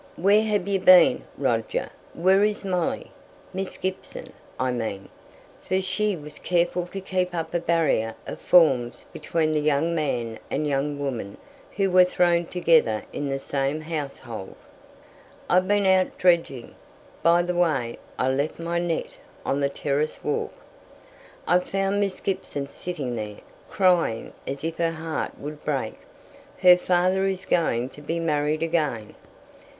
"Where have you been, Roger? Where is Molly? Miss Gibson, I mean," for she was careful to keep up a barrier of forms between the young man and young woman who were thrown together in the same household. "I've been out dredging. (By the way, I left my net on the terrace walk.) I found Miss Gibson sitting there, crying as if her heart would break. Her father is going to be married again."